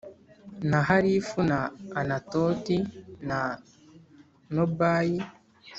na Harifu na Anatoti na Nobayi